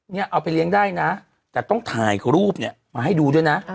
เอาไปเลี้ยงได้นะแต่ต้องถ่ายรูปเนี่ยมาให้ดูด้วยนะ